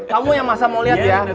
kamu yang masa mau lihat ya